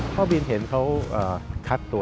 พ่อบินเห็นเขาคัดตัว